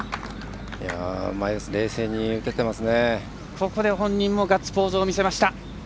ここで本人もガッツポーズを見せました。